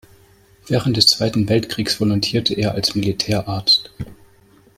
Während des Zweiten Weltkriegs volontierte er als Militärarzt.